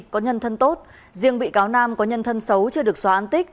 có nhân thân tốt riêng bị cáo nam có nhân thân xấu chưa được xóa an tích